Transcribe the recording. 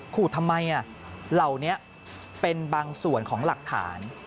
ขู่ทำไมเหล่านี้เป็นบางส่วนของหลักฐาน